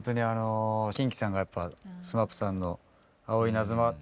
ＫｉｎＫｉさんがＳＭＡＰさんの「青いイナズマ」。